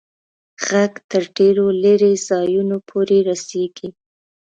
ږغ تر ډېرو لیري ځایونو پوري رسیږي.